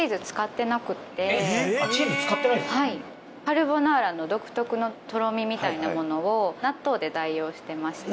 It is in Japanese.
カルボナーラの独特のトロミみたいなものを納豆で代用してまして。